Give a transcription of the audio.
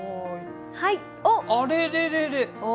あれれれれ。